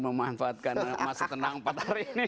memanfaatkan masa tenang empat hari ini